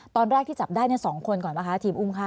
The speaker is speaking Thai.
ตอนแรกที่จับได้๒คนก่อนป่ะคะทีมอุ้มฆ่า